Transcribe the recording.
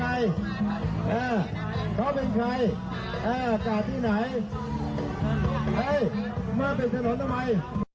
เฮ้ยเมื่อเป็นสถานทำไม